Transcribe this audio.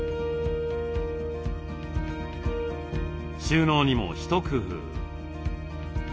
収納にも一工夫。